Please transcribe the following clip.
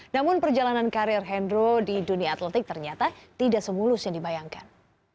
namun perjalanan karir hendro di dunia atletik ternyata tidak semulus yang dibayangkan